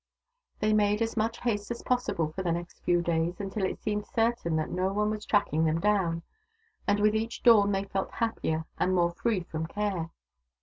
They made as much haste as possible for the next few days, until it seemed certain that no one was tracking them down ; and with each dawn they felt happier and more free from care.